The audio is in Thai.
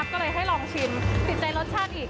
ก็เลยให้ลองชิมติดใจรสชาติอีก